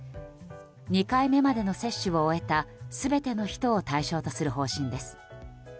２回目までの接種を終えた全ての人を対象とする方針です。